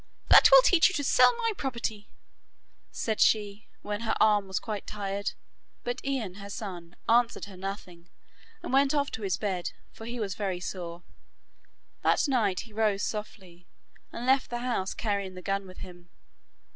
'That will teach you to sell my property,' said she, when her arm was quite tired, but Ian her son answered her nothing, and went off to his bed, for he was very sore. That night he rose softly, and left the house carrying the gun with him.